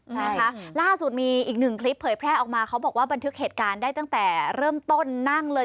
นะคะล่าสุดมีอีกหนึ่งคลิปเผยแพร่ออกมาเขาบอกว่าบันทึกเหตุการณ์ได้ตั้งแต่เริ่มต้นนั่งเลย